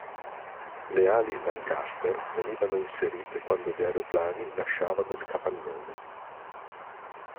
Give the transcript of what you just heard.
Le ali Lancaster venivano inserite quando gli aeroplani lasciavano il capannone.